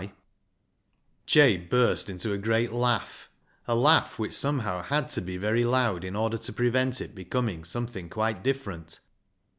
LIGE'S LEGACY 171 Jabe burst into a great laugh — a laugh which somehow Jiad to be very loud in order to prevent it becoming something quite different.